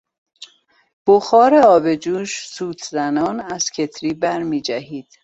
بخار آب جوش سوت زنان از کتری برمیجهید.